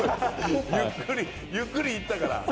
ゆっくりゆっくり行ったから。